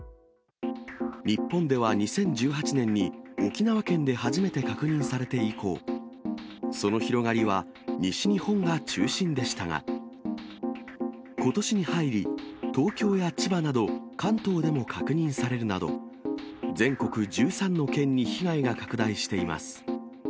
日本では２０１８年に、沖縄県で初めて確認されて以降、その広がりは、西日本が中心でしたが、ことしに入り、東京や千葉など、関東でも確認されるなど、全国１３の県に被害が拡大しています。